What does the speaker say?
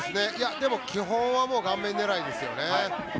でも基本は顔面狙いですね。